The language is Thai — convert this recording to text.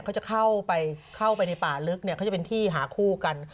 เขาจะเข้าไปในป่าลึกเนี่ยเขาจะเป็นที่หาคู่กัน